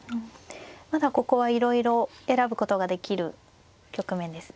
まだここはいろいろ選ぶことができる局面ですね。